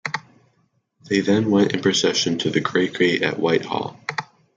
They then went in procession to the great gate at Whitehall.